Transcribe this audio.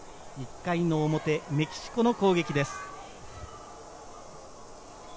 １回の表、メキシコの攻撃です。